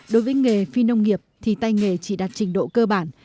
đối với nghề phi nông nghiệp thì tay nghề chỉ đạt trình độ cơ bản